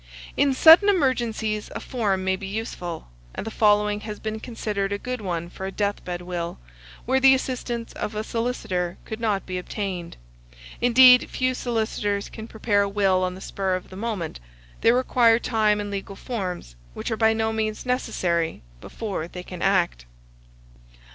In sudden emergencies a form may be useful, and the following has been considered a good one for a death bed will, where the assistance of a solicitor could not be obtained; indeed, few solicitors can prepare a will on the spur of the moment: they require time and legal forms, which are by no means necessary, before they can act.